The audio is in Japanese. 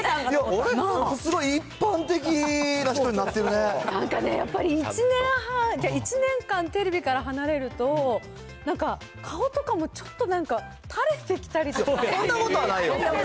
すごい一般的な人になってるなんかね、やっぱり１年半、いや、１年間テレビから離れると、なんか顔とかも、ちょっとなんか、そんなことはないよ。